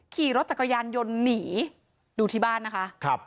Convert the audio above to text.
ขี่รถจักรยานยนต์หนีดูที่บ้านนะคะ